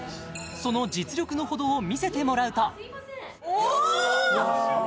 その実力のほどを見せてもらうとお！